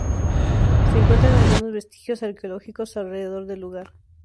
Se encuentran algunos vestigios arqueológicos alrededor del lugar.